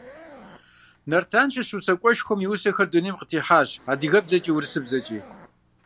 Нартан щыщ усакӀуэшхуэм и усэхэр дунейм къытехьащ адыгэбзэкӀи урысыбзэкӀи.